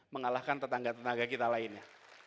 mengalahkan tetangga tetangga kita lainnya